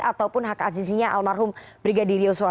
ataupun hak azazinya almarhum brigadir yusua